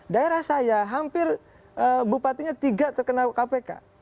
daerah saya hampir bupatinya tiga terkena kpk